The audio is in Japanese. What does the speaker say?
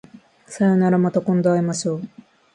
さようならまた今度会いましょう